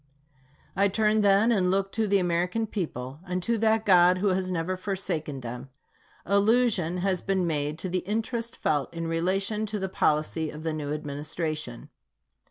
I turn, then, and look to the American people, and to that God who has never forsaken them. Allusion has been made to the interest felt in relation to the policy of the new Administration.